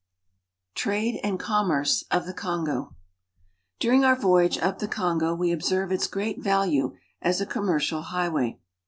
TRADE AND COMMERCE OF THE KONGO URING our voyage up the Kongo we observe its great value as a commercial highway.